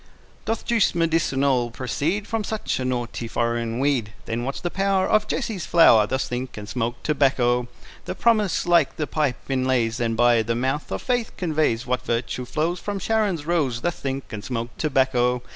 Doth juice medicinal proceed From such a naughty foreign weed? Then what's the power Of Jesse's flower? Thus think, and smoke tobacco. The promise, like the pipe, inlays, And by the mouth of faith conveys, What virtue flows From Sharon's rose. Thus think, and smoke tobacco.